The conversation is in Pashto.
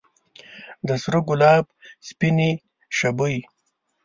د سره ګلاب سپینې شبۍ